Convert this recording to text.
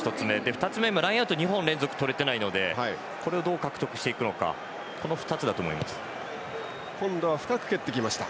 ２つ目はラインアウト２本連続とれていないのでこれをどう獲得していくのかの２つだと思います。